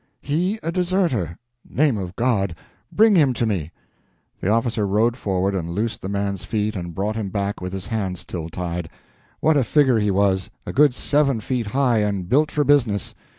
"He a deserter! Name of God! Bring him to me." The officer rode forward and loosed the man's feet and brought him back with his hands still tied. What a figure he was—a good seven feet high, and built for business!